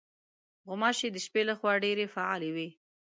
غوماشې د شپې له خوا ډېرې فعالې وي.